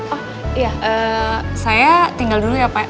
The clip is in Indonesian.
oh iya saya tinggal dulu ya pak